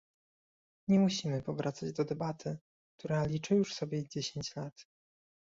Nie musimy powracać do debaty, która liczy już sobie dziesięć lat